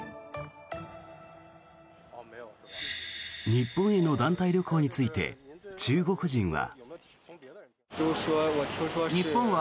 日本への団体旅行について中国人は。